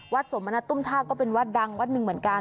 สมณตุ้มท่าก็เป็นวัดดังวัดหนึ่งเหมือนกัน